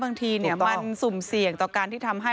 บางทีมันสุ่มเสี่ยงต่อการที่ทำให้